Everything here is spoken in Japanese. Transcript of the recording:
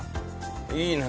いいね